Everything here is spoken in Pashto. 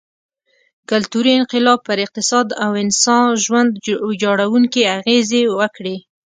کلتوري انقلاب پر اقتصاد او انسا ژوند ویجاړوونکې اغېزې وکړې.